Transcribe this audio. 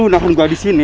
lu nangan gue di sini